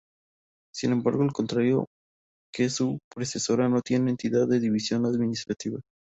Sin embargo, al contrario que su predecesora, no tiene entidad de división administrativa.